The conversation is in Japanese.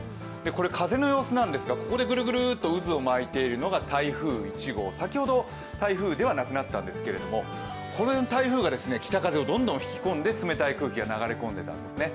これ、風の様子なんですがここでぐるぐるっと渦を巻いているのが台風１号、先ほど台風ではなくなったんですけれども、この辺、台風が北風をどんどん吹き込んで寒い空気になってたんですね。